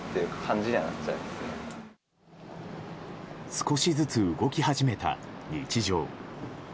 少しずつ動き始めた日常。